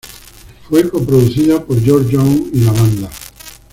Fue co-producida por George Young y la banda.